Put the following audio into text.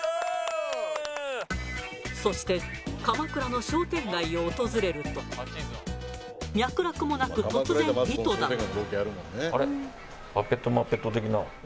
そして鎌倉の商店街を訪れると脈略もなく突然井戸田が。